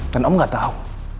dan om gak tau